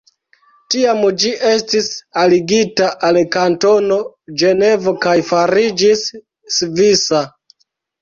Tiam ĝi estis aligita al Kantono Ĝenevo kaj fariĝis svisa.